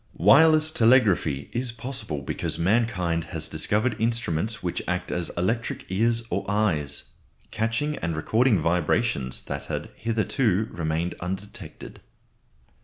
Wireless telegraphy is possible because mankind has discovered instruments which act as electric ears or eyes, catching and recording vibrations that had hitherto remained undetected.